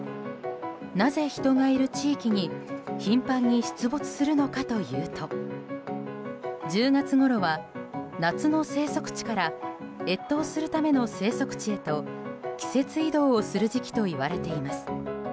なぜ人がいる地域に頻繁に出没するのかというと１０月ごろは夏の生息地から越冬するための生息地へと季節移動をする時期といわれています。